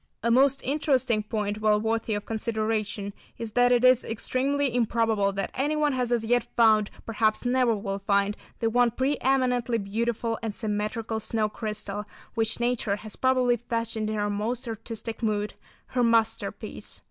A most interesting point, well worthy of consideration, is that it is extremely improbable that anyone has as yet found, perhaps never will find, the one preëminently beautiful and symmetrical snow crystal which nature has probably fashioned in her most artistic mood—her masterpiece.